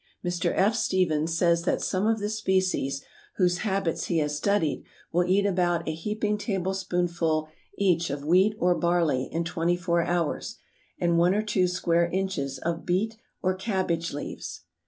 Mr. F. Stephens says that some of the species, whose habits he has studied, will eat about a heaping tablespoonful each of wheat or barley in twenty four hours and one or two square inches of beet or cabbage leaves."